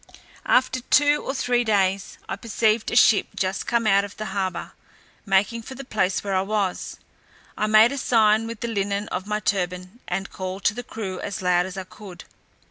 After two or three days, I perceived a ship just come out of the harbour, making for the place where I was. I made a sign with the linen of my turban, and called to the crew as loud as I could.